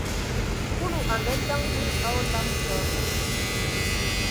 Kulu a ngaandǝŋ hm a olam va,